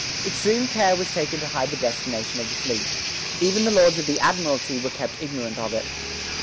Extreme care was taken to hide the destination of the fleet. Even the Lords of the Admiralty were kept ignorant of it.